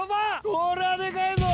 これはデカいぞ！